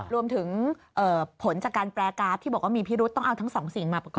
รวมถึงผลจากการแปลกราฟที่บอกว่ามีพิรุษต้องเอาทั้งสองสิ่งมาประกอบ